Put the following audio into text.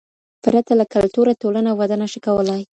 پرته له کلتوره ټولنه وده نشي کولای.